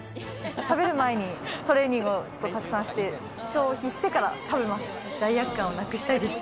食べる前にトレーニングをたくさんして消費してから食べます。